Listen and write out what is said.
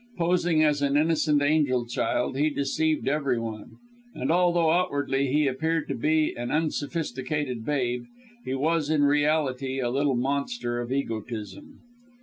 Posing as an innocent angel child, he deceived everyone, and although outwardly he appeared to be an unsophisticated babe, he was in reality a little monster of egotism.